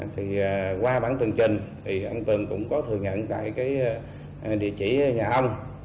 thì qua bản tường trình thì ông tường cũng có thừa nhận tại cái địa chỉ nhà ông